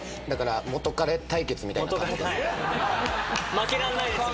負けらんないですよ